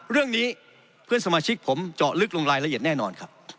เรื่องนี้เพื่อนสมาชิกผมเจาะลึกลงรายละเอียดแน่นอนครับ